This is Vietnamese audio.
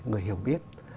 người hiểu biết